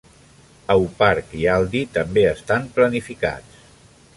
Aupark i Aldi també estan planificats.